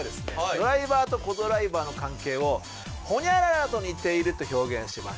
ドライバーとコ・ドライバーの関係をホニャララと似ていると表現しました。